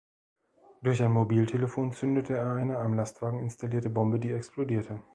Durch ein Mobiltelefon zündete er eine am Lastwagen installierte Bombe, die explodierte.